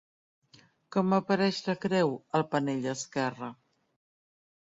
Com apareix la creu al panell esquerre?